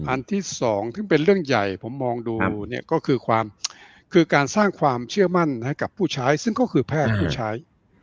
อันที่สองซึ่งเป็นเรื่องใหญ่ผมมองดูเนี่ยก็คือความคือการสร้างความเชื่อมั่นให้กับผู้ใช้ซึ่งก็คือแพทย์ผู้ใช้